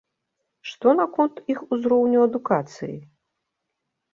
Што наконт іх узроўню адукацыі?